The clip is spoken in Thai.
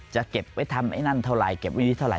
จะเก็บไว้ทำไอ้นั่นเท่าไรเก็บไว้ที่เท่าไ